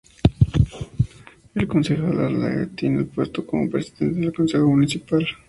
El concejal "at large" tiene el puesto como el presidente del consejo municipal.